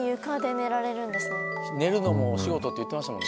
寝るのもお仕事って言ってましたもんね。